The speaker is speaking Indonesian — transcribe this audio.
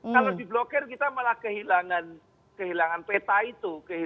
kalau diblokir kita malah kehilangan peta itu